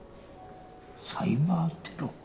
サイバーテロ？